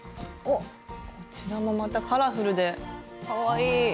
こちらもまたカラフルでかわいい！